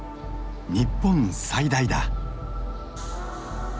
日本最大だ。